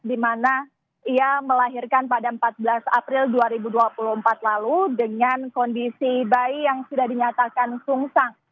di mana ia melahirkan pada empat belas april dua ribu dua puluh empat lalu dengan kondisi bayi yang sudah dinyatakan sungsang